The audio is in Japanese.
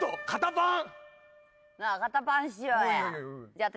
パン！